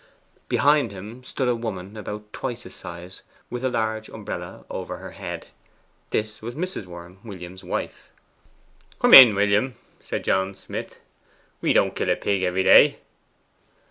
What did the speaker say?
Behind him stood a woman about twice his size, with a large umbrella over her head. This was Mrs. Worm, William's wife. 'Come in, William,' said John Smith. 'We don't kill a pig every day.